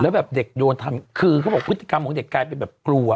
แล้วแบบเด็กโดนทำคือเขาบอกพฤติกรรมของเด็กกลายเป็นแบบกลัว